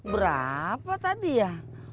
berapa tadi ya